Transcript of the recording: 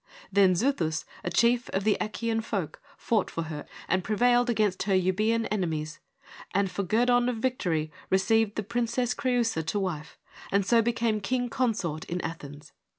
Then Xuthus, a chief of the Achaean folk, fought for her and prevailed against her Eubcean enemies, and for guerdon of victory received the princess Creusa to wife, and so became king consort in Athens.